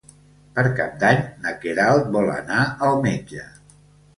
Per Cap d'Any na Queralt vol anar al metge.